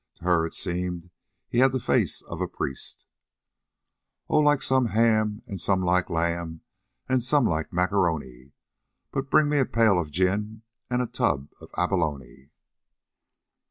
To her it seemed he had the face of a priest. "Oh! some like ham and some like lamb And some like macaroni; But bring me in a pail of gin And a tub of abalone.